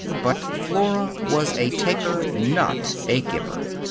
But Flora was a taker, not a giver.